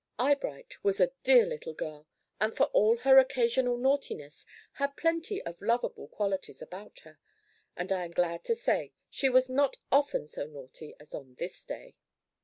Eyebright was a dear little girl, and for all her occasional naughtiness, had plenty of lovable qualities about her; and I am glad to say she was not often so naughty as on this day.